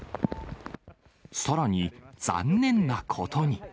さらに、残念なことに。